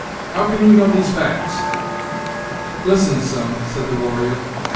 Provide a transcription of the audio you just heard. how can you know these facts?" "Listen, son," said the warrior.